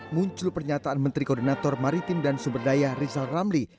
muncul pernyataan menteri koordinator maritim dan sumberdaya rizal ramli